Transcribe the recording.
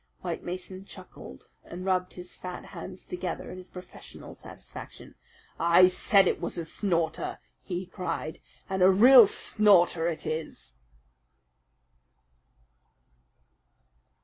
White Mason chuckled and rubbed his fat hands together in his professional satisfaction. "I said it was a snorter!" he cried. "And a real snorter it is!"